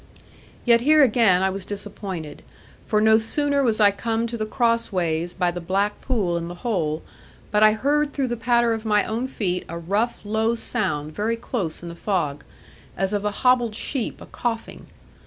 Yet here again I was disappointed, for no sooner was I come to the cross ways by the black pool in the hole, but I heard through the patter of my own feet a rough low sound very close in the fog, as of a hobbled sheep a coughing.